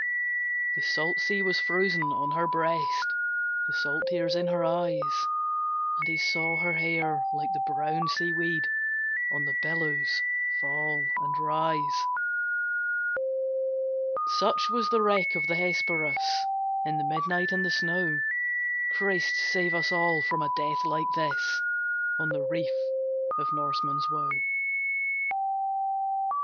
The salt sea was frozen on her breast, The salt tears in her eyes; And he saw her hair like the brown sea weed On the billows fall and rise. Such was the wreck of the Hesperus, In the midnight and the snow! Christ save us all from a death like this, On the reef of Norman's Woe!